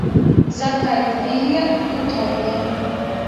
ზამთარი თბილია, უთოვლო.